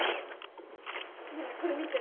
ねえこれ見て。